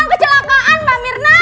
masa kecelakaan mbak mirna